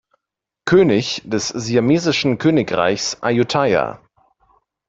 König des siamesischen Königreiches Ayutthaya.